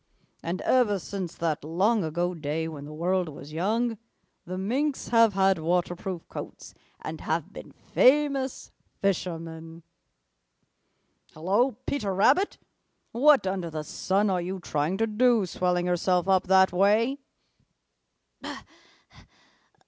And ever since that long ago day when the world was young, the Minks have had waterproof coats and have been famous fishermen. Hello, Peter Rabbit! What under the sun are you trying to do, swelling yourself up that way?"